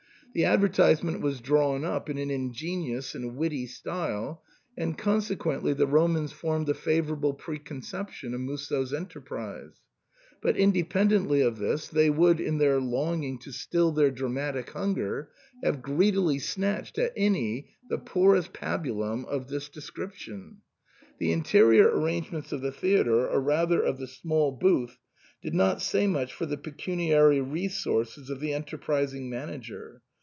The advertisement was drawn up in an ingenious and witty style, and consequently the Romans formed a favour able preconception of Musso's enterprise ; but inde pendently of this they would in their longing to still their dramatic hunger have greedily snatched at any the poorest pabulum of this description. The interior arrangements of the theatre, or rather of the small booth, did not say much for the pecuniary resources of the enterprising manager.